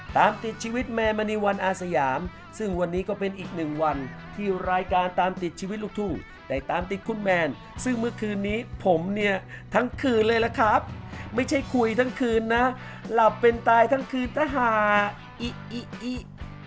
ตามติดชีวิตแมนมณีวันอาสยามซึ่งวันนี้ก็เป็นอีกหนึ่งวันที่รายการตามติดชีวิตลูกทุ่งได้ตามติดคุณแมนซึ่งเมื่อคืนนี้ผมเนี่ยทั้งคืนเลยล่ะครับไม่ใช่คุยทั้งคืนนะหลับเป็นตายทั้งคืนถ้าหาอิอิ